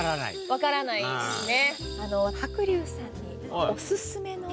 分からないんですね。